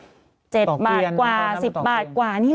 ศูนย์อุตุนิยมวิทยาภาคใต้ฝั่งตะวันอ่อค่ะ